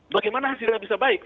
bagaimana hasilnya bisa baik